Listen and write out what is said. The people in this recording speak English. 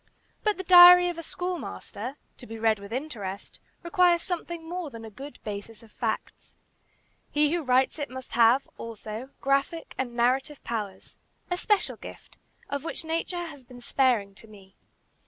But the "Diary of a Schoolmaster," to be read with interest, requires something more than a good basis of facts. He who writes it must have, also, graphic and narrative powers a special gift, of which nature has been sparing to me.